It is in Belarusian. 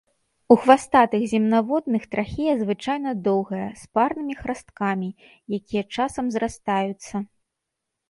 У хвастатых земнаводных трахея звычайна доўгая, з парнымі храсткамі, якія часам зрастаюцца.